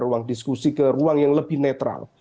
ruang diskusi ke ruang yang lebih netral